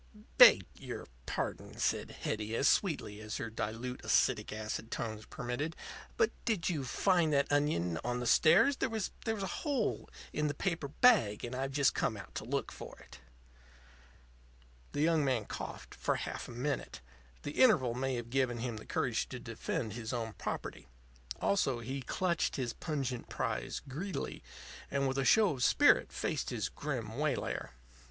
"Beg your pardon," said Hetty, as sweetly as her dilute acetic acid tones permitted, "but did you find that onion on the stairs? There was a hole in the paper bag; and I've just come out to look for it." The young man coughed for half a minute. The interval may have given him the courage to defend his own property. Also, he clutched his pungent prize greedily, and, with a show of spirit, faced his grim waylayer.